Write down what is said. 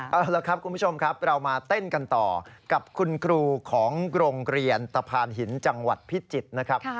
เอาละครับคุณผู้ชมครับเรามาเต้นกันต่อกับคุณครูของโรงเรียนตะพานหินจังหวัดพิจิตรนะครับ